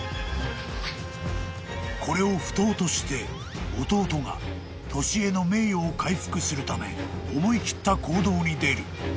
［これを不当として弟が年恵の名誉を回復するため思い切った行動に出る］